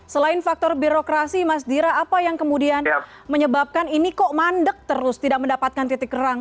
selain faktor birokrasi mas dira apa yang kemudian menyebabkan ini kok mandek terus tidak mendapatkan titik terang